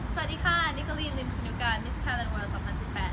สวัสดีค่ะนี่กะลีนลิมสุนุกามิสเทอร์แลนด์เวิร์ลสองพันสิบแปด